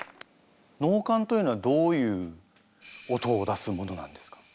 能管というのはどういう音を出す物なんですか？